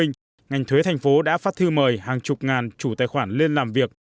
ngành thuế thành phố đã phát thư mời hàng chục ngàn chủ tài khoản lên làm việc